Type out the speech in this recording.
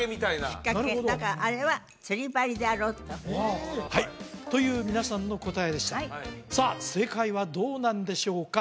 引っかけだからあれは釣り針であろうとはいという皆さんの答えでしたさあ正解はどうなんでしょうか？